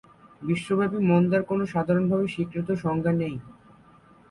বিশ্বব্যাপী মন্দার কোনও সাধারণভাবে স্বীকৃত সংজ্ঞা নেই।